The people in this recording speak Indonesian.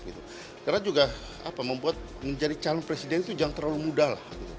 karena juga membuat menjadi calon presiden itu jangan terlalu mudah